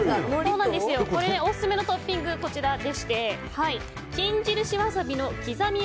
オススメのトッピングがこちらでして金印わさびのきざみ